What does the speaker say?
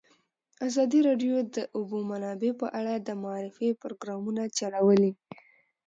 ازادي راډیو د د اوبو منابع په اړه د معارفې پروګرامونه چلولي.